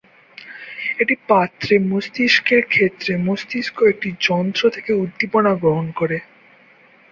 একটি পাত্রে মস্তিষ্ক এর ক্ষেত্রে মস্তিষ্ক একটি যন্ত্র থেকে উদ্দীপনা গ্রহণ করে।